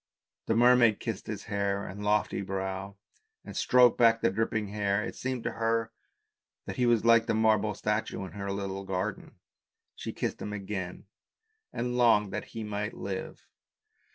The mermaid kissed his fair and lofty brow, and stroked back the dripping hair; it seemed to her that he was like the marble statue in her little garden, she kissed him again and longed that he might live.